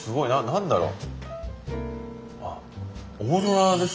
何だろう。